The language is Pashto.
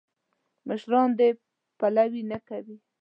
مشران دې پلوي نه کوي.